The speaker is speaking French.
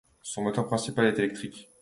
Son moteur principal est électrique.